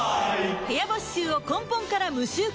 部屋干し臭を根本から無臭化